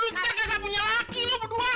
lu kagak punya laki lo berdua